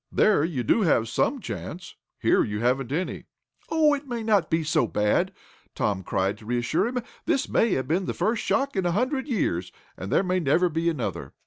There you do have SOME chance. Here you haven't any." "Oh, it may not be so bad," Tom cried to reassure him. "This may have been the first shock in a hundred years, and there may never be another."